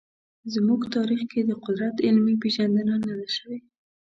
زموږ تاریخ کې د قدرت علمي پېژندنه نه ده شوې.